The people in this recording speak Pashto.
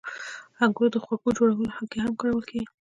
• انګور د خوږو جوړولو کې هم کارول کېږي.